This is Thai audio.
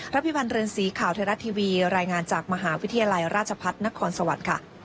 พิพันธ์เรือนสีข่าวไทยรัฐทีวีรายงานจากมหาวิทยาลัยราชพัฒนครสวรรค์ค่ะ